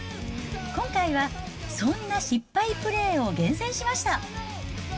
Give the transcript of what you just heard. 今回はそんな失敗プレーを厳選しました。